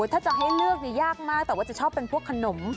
ถ้าจะให้เลือกยากมากแต่ว่าจะชอบเป็นพวกขนม